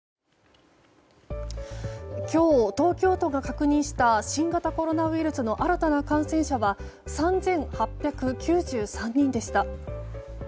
今日、東京都が確認した新型コロナウイルスの新たな感染者は３８９３人でした。